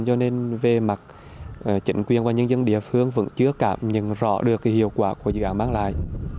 cho nên về mặt chính quyền và nhân dân địa phương vẫn chưa cảm nhận rõ được hiệu quả của dự án mang lại